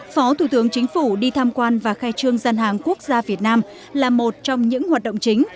phó thủ tướng chính phủ đi tham quan và khai trương gian hàng quốc gia việt nam là một trong những hoạt động chính